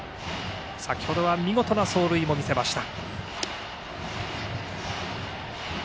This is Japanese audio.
先程は見事な走塁も見せました。